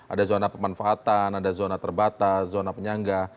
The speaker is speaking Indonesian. ada zona pemanfaatan ada zona terbatas zona penyangga